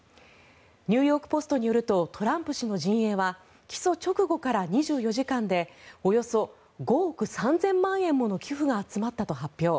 ニューヨーク・ポストによるとトランプ氏の陣営は起訴直後から２４時間でおよそ５億３０００万円もの寄付が集まったと発表。